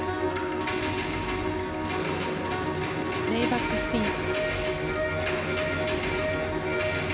レイバックスピン。